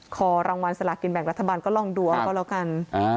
รางวัลสลากินแบ่งรัฐบาลก็ลองดูเอาก็แล้วกัน